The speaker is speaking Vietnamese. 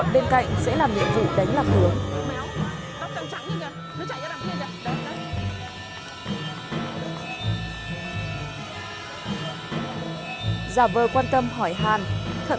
đi xe buýt cầm lấy anh giúp